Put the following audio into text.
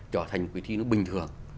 trở thành một kỳ thi nó bình thường